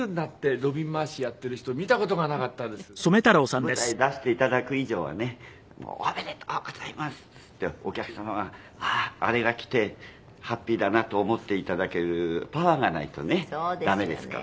舞台へ出して頂く以上はね「おめでとうございます」ってするとお客様はああーあれが来てハッピーだなと思って頂けるパワーがないとね駄目ですから。